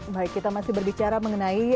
baik kita masih berbicara mengenai